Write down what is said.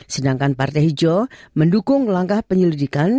sedangkan partai hijau mendukung langkah penyelidikan